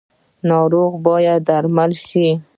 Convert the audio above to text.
ناروغه باید درمل شي